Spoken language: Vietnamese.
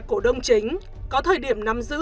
cổ đông chính có thời điểm nằm giữ